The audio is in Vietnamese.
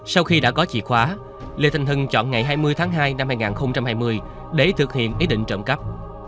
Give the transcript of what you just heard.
sau khi đã có chìa khóa lê thanh hưng chọn ngày hai mươi tháng hai năm hai nghìn hai mươi để thực hiện ý định trộm cắp